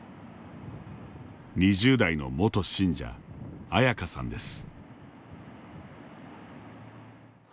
２０代の元信者、アヤカさんです。